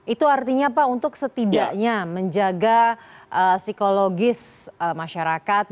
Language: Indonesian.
itu artinya pak untuk setidaknya menjaga psikologis masyarakat